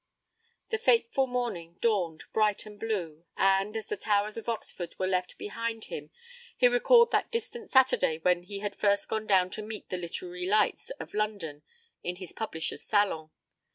The fateful morning dawned bright and blue, and, as the towers of Oxford were left behind him he recalled that distant Saturday when he had first gone down to meet the literary lights of London in his publisher's salon.